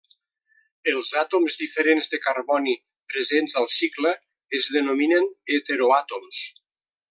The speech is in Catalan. Els àtoms diferents de carboni presents al cicle es denominen heteroàtoms.